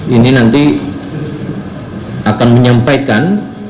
ini nanti akan menyampaikan